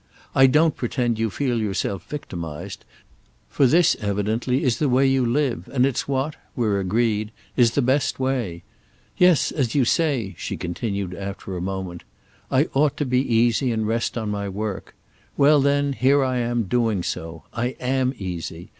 I don't pretend you feel yourself victimised, for this evidently is the way you live, and it's what—we're agreed—is the best way. Yes, as you say," she continued after a moment, "I ought to be easy and rest on my work. Well then here am I doing so. I am easy.